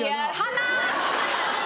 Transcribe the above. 鼻！